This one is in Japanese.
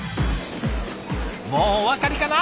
もうお分かりかな？